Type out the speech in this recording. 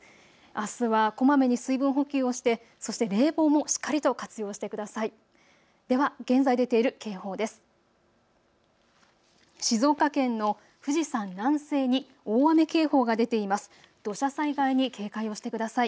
あすはこまめに水分補給をしてそして冷房もしっかりと活用してください。